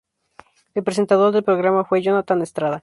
El presentador del programa fue Jonathan Estrada.